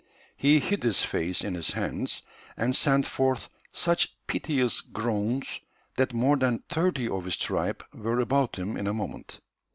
He hid his face in his hands and sent forth such piteous groans that more than thirty of his tribe were about him in a moment.